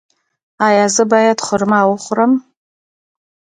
ایا زه باید خرما وخورم؟